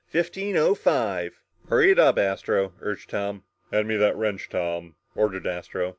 "Fifteen O five." "Hurry it up, Astro," urged Tom. "Hand me that wrench, Tom," ordered Astro.